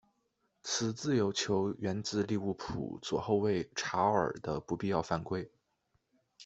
此自由球源自利物浦左后卫查奥尔的不必要犯规。